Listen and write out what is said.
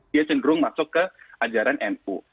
dia cenderung masuk ke ajaran nu